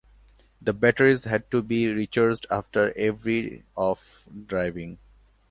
The batteries had to be recharged after every of driving.